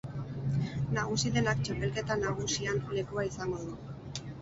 Nagusi denak txapelketa nagusian lekua izango du.